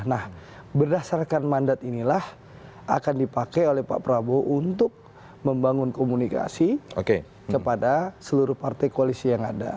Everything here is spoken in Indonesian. nah berdasarkan mandat inilah akan dipakai oleh pak prabowo untuk membangun komunikasi kepada seluruh partai koalisi yang ada